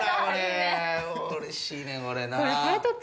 うれしいねこれな。